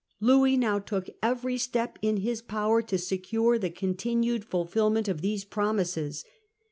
Louit now took every step in his power to secure the continued fulfilment of these promises.